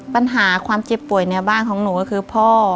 ปัญหาความเจ็บป่วยในบ้านของหนูก็คือพ่อ